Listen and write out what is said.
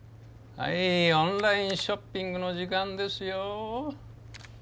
はいオンラインショッピングの時間ですよ。